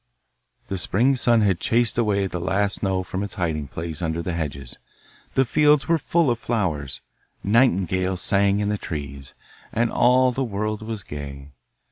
The spring sun had chased away the last snow from its hiding place under the hedges; the fields were full of flowers; nightingales sang in the trees, and all the world was gay.